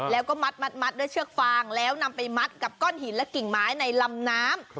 แล้วก็มัดด้วยเชือกฟางแล้วนำไปมัดกับก้อนหินและกิ่งไม้ในลำน้ำ